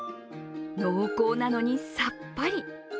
濃厚なのにさっぱり。